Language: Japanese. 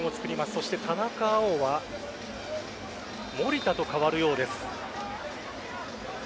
そして田中碧は守田と代わるようです。